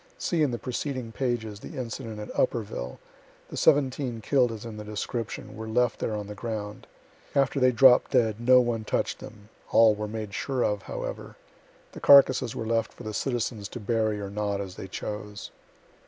(See in the preceding pages, the incident at Upperville the seventeen kill'd as in the description, were left there on the ground. After they dropt dead, no one touch'd them all were made sure of, however. The carcasses were left for the citizens to bury or not, as they chose.)